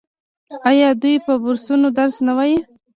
آیا دوی په بورسونو درس نه وايي؟